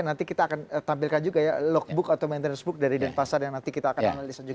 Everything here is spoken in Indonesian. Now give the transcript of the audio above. nanti kita akan tampilkan juga ya logbook atau maintenance book dari denpasar yang nanti kita akan analisa juga